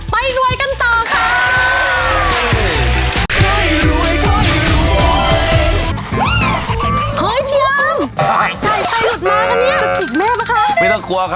ไปรวยกันต่อค่ะ